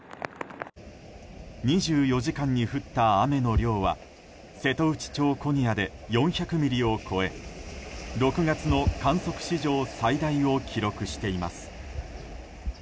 ２４時間に降った雨の量は瀬戸内町古仁屋で４００ミリを超え６月の観測史上最大を記録しています。